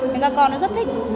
nhưng các con nó rất thích